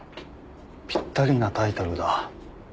ぴったりなタイトルだ。